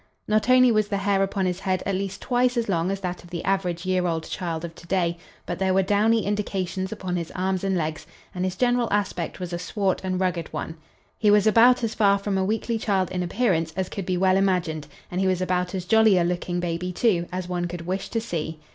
Not only was the hair upon his head at least twice as long as that of the average year old child of today, but there were downy indications upon his arms and legs, and his general aspect was a swart and rugged one. He was about as far from a weakly child in appearance as could be well imagined and he was about as jolly a looking baby, too, as one could wish to see.